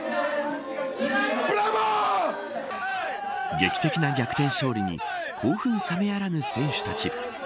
劇的な逆転勝利に興奮冷めやらぬ選手たち。